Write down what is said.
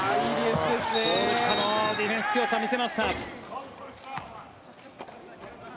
ゴール下のディフェンスの強さを見せました。